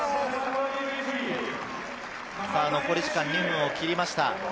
残り時間は２分を切りました。